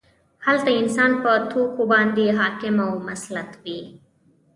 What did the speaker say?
هلته انسان په توکو باندې حاکم او مسلط وي